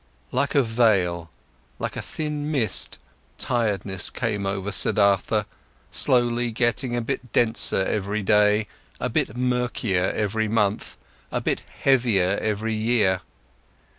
Like a veil, like a thin mist, tiredness came over Siddhartha, slowly, getting a bit denser every day, a bit murkier every month, a bit heavier every year.